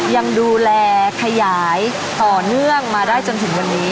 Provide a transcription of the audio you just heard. ยังดูแลขยายต่อเนื่องมาได้จนถึงวันนี้